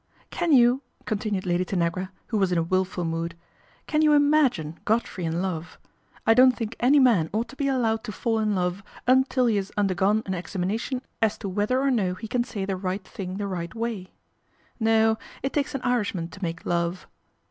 Can you/' continued Lady Tanagra, who was in a wilful mood, " can you imagine Godfrey in love ? I don't think any man ought to be allowed to fall in love until he has undergone an examina tion as to whether or no he can say the right thing the right way. No, it takes an Irishman to make .ove."